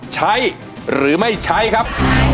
ใช้หรือไม่ใช้ครับ